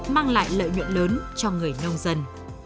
mang lại lợi nhuận lớn cho người nông dân